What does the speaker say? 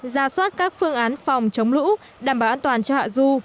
ra soát các phương án phòng chống lũ đảm bảo an toàn cho hạ du